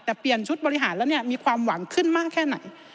แต่เปลี่ยนชุดบริหารแล้วเนี่ยมีความหวังขึ้นมากแค่ไหน